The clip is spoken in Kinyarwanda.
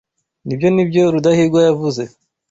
Nibyo, nibyo Rudahigwa yavuze.